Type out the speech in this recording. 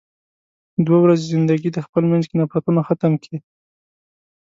دوه ورځې زندګی ده، خپل مينځ کې نفرتونه ختم کې.